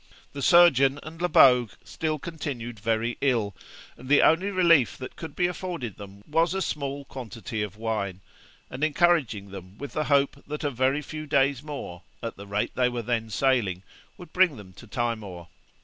The surgeon and Lebogue still continued very ill, and the only relief that could be afforded them was a small quantity of wine, and encouraging them with the hope that a very few days more, at the rate they were then sailing, would bring them to Timor.